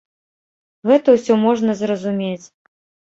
Гэта ўсё можна зразумець.